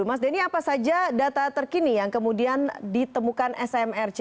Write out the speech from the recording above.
mas denny apa saja data terkini yang kemudian ditemukan smrc